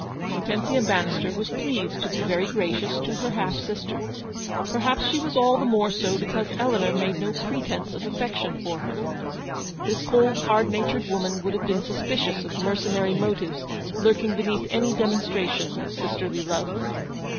Hortensia Bannister was pleased to be very gracious to her half sister. Perhaps she was all the more so because Eleanor made no pretence of affection for her. This cold, hard natured woman would have been suspicious of mercenary motives lurking beneath any demonstration of sisterly love.